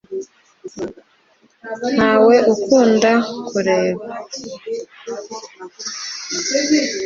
ntawe ukunda kureka